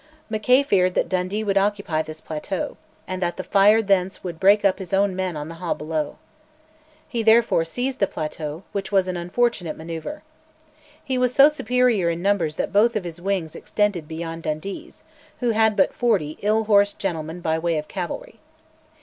Mackay feared that Dundee would occupy this plateau, and that the fire thence would break up his own men on the haugh below. He therefore seized the plateau, which was an unfortunate manoeuvre. He was so superior in numbers that both of his wings extended beyond Dundee's, who had but forty ill horsed gentlemen by way of cavalry.